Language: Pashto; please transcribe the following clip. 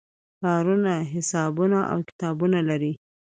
کارونه حسابونه او کتابونه لري.